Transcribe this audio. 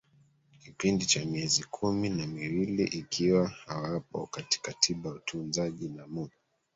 kipindi cha miezi kumi na miwili ikiwa hawapo katika tiba ya utunzaji na mu